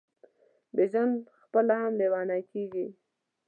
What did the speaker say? بیژن پخپله هم لېونی کیږي.